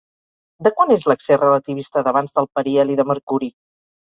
De quant és l'excés relativista d'avanç del periheli de Mercuri?